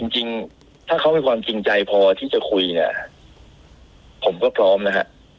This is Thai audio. จริงถ้าเขามีความจริงใจพอที่จะคุยเนี่ยผมก็พร้อมนะฮะ